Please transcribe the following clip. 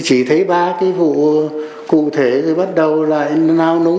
chỉ thấy ba cái vụ cụ thể rồi bắt đầu lại nao núi